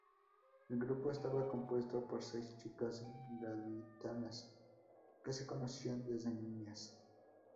El grupo estaba compuesto por seis chicas gaditanas que se conocían desde niñas.